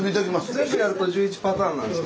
全部やると１１パターンなんですよ。